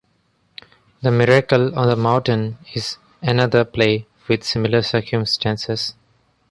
"The Miracle on the Mountain" is another play with similar circumstances.